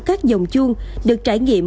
các dòng chuông được trải nghiệm